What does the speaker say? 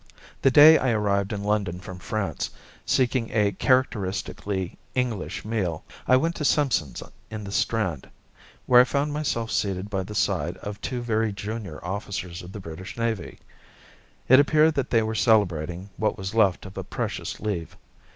The day I arrived in London from France, seeking a characteristically English meal, I went to Simpson's in the Strand, where I found myself seated by the side of two very junior officers of the British navy. It appeared that they were celebrating what was left of a precious leave.